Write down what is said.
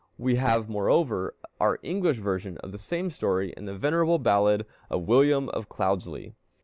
We have, moreover, our English version of the same story in the venerable ballad of William of Cloudsley.